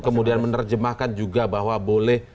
kemudian menerjemahkan juga bahwa boleh